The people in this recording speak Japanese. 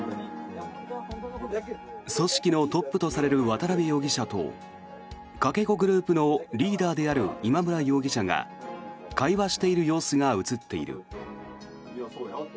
組織のトップとされる渡邉容疑者とかけ子グループのリーダーである今村容疑者が会話している様子が映っている。